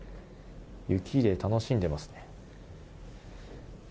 雪で楽しんでますね。